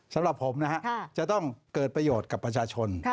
สำหรับผมนะฮะจะต้องเกิดประโยชน์กับประชาชน